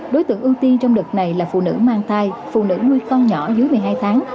đối tượng ưu tiên trong đợt này là phụ nữ mang thai phụ nữ nuôi con nhỏ dưới một mươi hai tháng